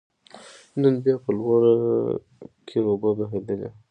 نن بيا په لوړه کې اوبه بهېدلې